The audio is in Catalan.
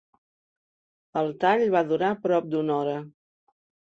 El tall va durar prop d'una hora.